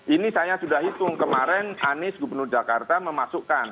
ini saya sudah hitung kemarin anies gubernur jakarta memasukkan